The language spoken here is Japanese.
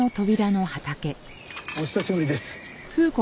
お久しぶりです。